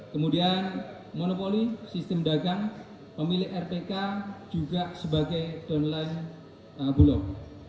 kemudian monopoli sistem dagang pemilik rpk juga sebagai downline bulog